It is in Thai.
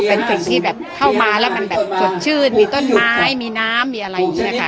เป็นวิธีที่แบบเข้ามาแล้วมันแบบฉุดชื่นมีต้นมีน้ำมีอะไรเงี้ยฃ